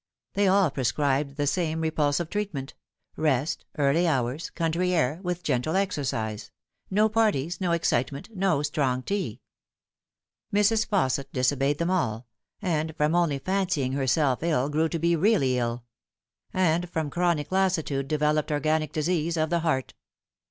They all prescribed the same repulsive treatment rest, early hours, country air, with gentle exercise ; no parties, no excitement, no strong tea. Mrs. Fausset disobeyed them all, and from only fancying herself ill grew to be really ill ; and from chronic lassitude developed organic disease of the heart.